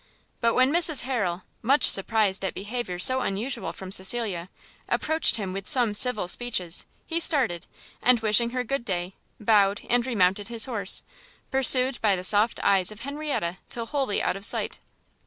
But when Mrs Harrel, much surprised at behaviour so unusual from Cecilia, approached him with some civil speeches, he started, and wishing her good day, bowed, and remounted his horse: pursued by the soft eyes of Henrietta till wholly out of sight.